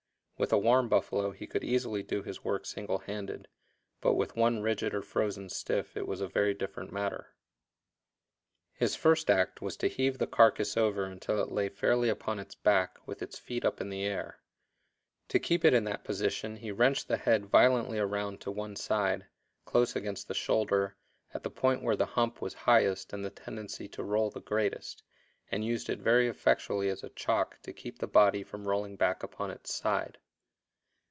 With a warm buffalo he could easily do his work single handed, but with one rigid or frozen stiff it was a very different matter. His first act was to heave the carcass over until it lay fairly upon its back, with its feet up in the air. To keep it in that position he wrenched the head violently around to one side, close against the shoulder, at the point where the hump was highest and the tendency to roll the greatest, and used it very effectually as a chock to keep the body from rolling back upon its side.